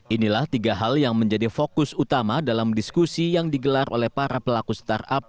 inilah tiga hal yang menjadi fokus utama dalam diskusi yang digelar oleh para pelaku startup